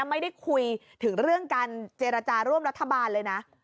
ไม่ได้คุยถึงเรื่องการเจรจาร่วมรัฐบาลเลยนะ